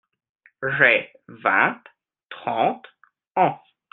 J'ai (vingt, trente…) ans.